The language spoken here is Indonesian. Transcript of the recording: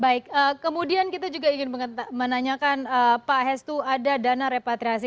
baik kemudian kita juga ingin menanyakan pak hestu ada dana repatriasi